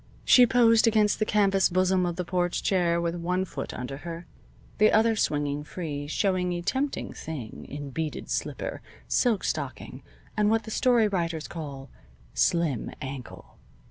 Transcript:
She posed against the canvas bosom of the porch chair with one foot under her, the other swinging free, showing a tempting thing in beaded slipper, silk stocking, and what the story writers call "slim ankle."